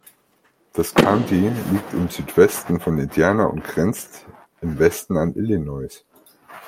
Das County liegt im Südwesten von Indiana und grenzt im Westen an Illinois.